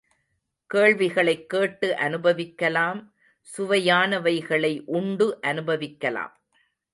கேள்விகளை கேட்டு அனுபவிக்கலாம், சுவையானவைகளை உண்டு அனுபவிக்கலாம்.